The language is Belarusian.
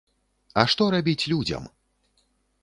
А што рабіць людзям?